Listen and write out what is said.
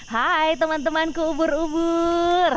hai teman temanku ubur ubur